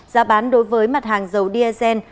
giá bán đối với mặt hàng dầu dsn